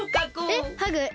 えっハグえ